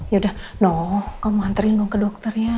yaudah noh kamu nganterin dong ke dokter ya